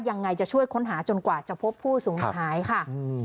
ยังไงจะช่วยค้นหาจนกว่าจะพบผู้สูญหายค่ะ